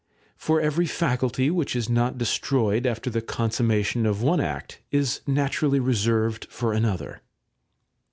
For every faculty which is not destroyed after the con summation of one act is naturally reserved for another.